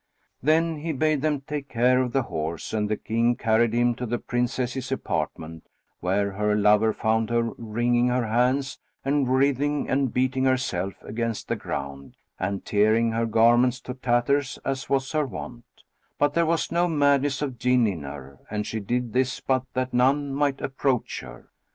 Then he bade them take care of the horse and the King carried him to the Princess's apartment where her lover found her wringing her hands and writhing and beating herself against the ground, and tearing her garments to tatters as was her wont; but there was no madness of Jinn in her, and she did this but that none might approach her.